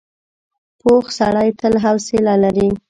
پوخ سړی تل حوصله لري